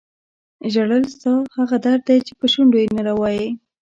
ژړل ستا هغه درد دی چې په شونډو یې نه وایې.